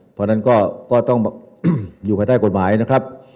เพราะฉะนั้นก็ต้องอยู่ภายใต้กฎหมายนะครับ